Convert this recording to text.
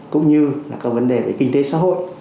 cũng như là các vấn đề về kinh tế xã hội